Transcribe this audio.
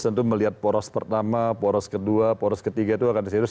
tentu melihat poros pertama poros kedua poros ketiga itu akan serius